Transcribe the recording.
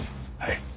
はい。